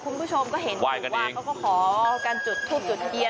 คุณผู้ชมก็เห็นว่าเขาก็ขอการจุดทูบจุดทะเบียน